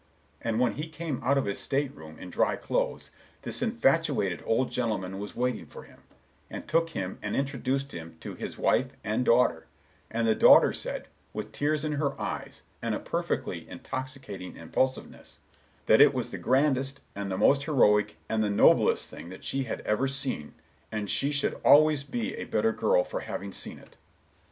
And when he came out of his stateroom in dry clothes, this infatuated old gentleman was waiting for him, and took him and introduced him to his wife and daughter; and the daughter said, with tears in her eyes, and a perfectly intoxicating impulsiveness, that it was the grandest and the most heroic and the noblest thing that she had ever seen, and she should always be a better girl for having seen it.